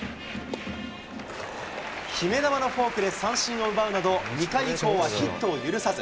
決め球のフォークで三振を奪うなど、２回以降はヒットを許さず。